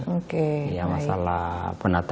ya termasuk masalah reformasi birokrasi ya